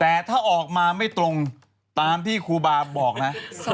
แต่ถ้าออกมาไม่ตรงตามที่ครูบาบอกนะ